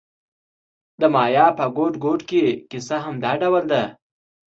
د مایا په ګوټ ګوټ کې کیسه همدا ډول ده